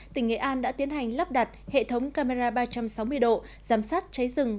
tỉnh nghệ an đã tiến hành lắp đặt hệ thống camera ba trăm sáu mươi độ giám sát cháy rừng